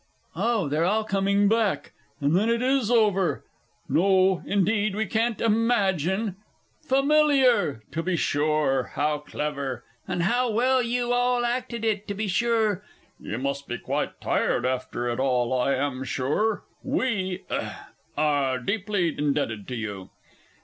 Oh, they're all coming back; then it is over. No, indeed, we can't imagine. "Familiar!" To be sure how clever, and how well you all acted it, to be sure you must be quite tired after it all. I am sure we hem are deeply indebted to you....